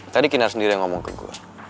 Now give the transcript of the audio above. tadi kinar sendiri yang ngomong ke gue